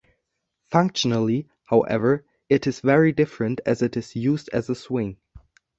Functionally, however, it is very different as it is used as a swing.